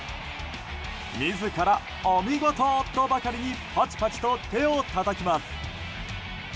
自らお見事とばかりにぱちぱちと手をたたきます。